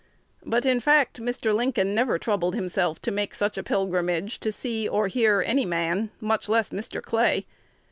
But, in fact, Mr. Lincoln never troubled himself to make such a pilgrimage to see or hear any man, much less Mr. Clay.